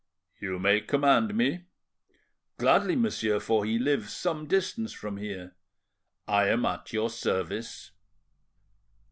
"You may command me." "Gladly, monsieur; for he lives some distance from here." "I am at your service."